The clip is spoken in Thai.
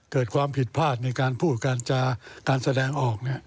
เกิดความผิดพลาดในการพูดการจาการแสดงออก